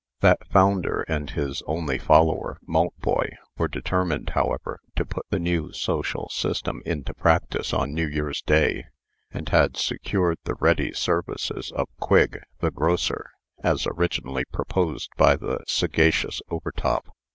That founder and his only follower, Maltboy, were determined, however, to put the new social system into practice on New Year's day, and had secured the ready services of Quigg, the grocer, as originally proposed by the sagacious Overtop.